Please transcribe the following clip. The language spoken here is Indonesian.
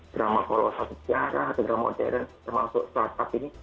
drama kolosal sejarah atau drama modern termasuk saat saat ini